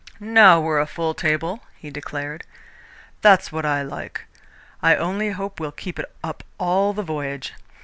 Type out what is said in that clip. "Now we're a full table," he declared. "That's what I like. I only hope we'll keep it up all the voyage.